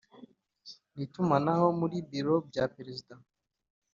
N itumanaho muri biro bya perezida